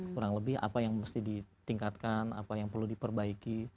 kurang lebih apa yang mesti ditingkatkan apa yang perlu diperbaiki